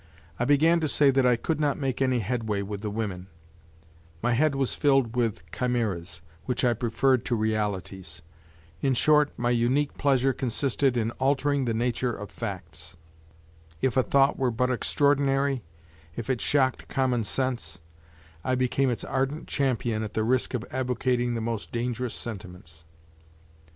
I began to say that I could not make any headway with the women; my head was filled with chimeras which I preferred to realities. In short, my unique pleasure consisted in altering the nature of facts. If a thought were but extraordinary, if it shocked common sense, I became its ardent champion at the risk of advocating the most dangerous sentiments.